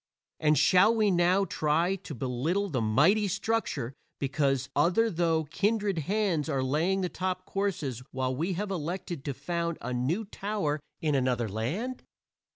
And shall we now try to belittle the mighty structure because other though kindred hands are laying the top courses while we have elected to found a new tower in another land?